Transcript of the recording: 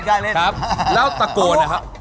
ครับแล้วตะโกนนะครับ